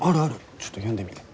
ちょっと読んでみて。